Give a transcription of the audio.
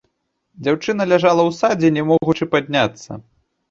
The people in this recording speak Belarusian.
Дзяўчына ляжала ў садзе, не могучы падняцца.